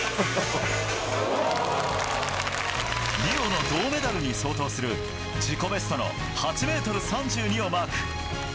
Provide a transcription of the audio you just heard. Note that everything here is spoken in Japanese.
リオの銅メダルに相当する自己ベストの８ｍ３２をマーク。